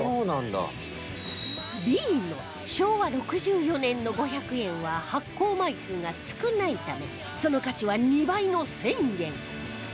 Ｂ の昭和６４年の５００円は発行枚数が少ないためその価値は２倍の１０００円